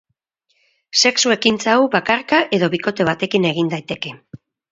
Sexu ekintza hau bakarka edo bikote batekin egin daiteke.